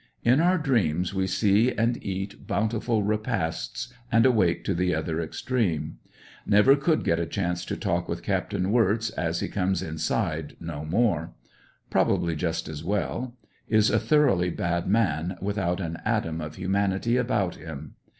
In our dreams we see and eat bountiful repasts, and awake to the other extreme. Never could get a chance to talk with Capt. Wirtz, as he comes inside no more Probably just as w^ell. Is a thoroughly bad man, without an atom of humanity about him.